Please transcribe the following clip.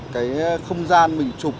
cái không gian mình chụp